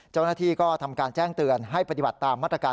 เจ้าหน้าที่ก็ทำการแจ้งเตือนให้ปฏิบัติตามมาตรการ